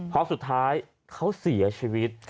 เพราะสุดท้ายเขาเสียชีวิต